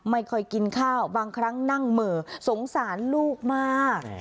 ไม่ค่อยกินข้าวบางครั้งนั่งเหม่อสงสารลูกมาก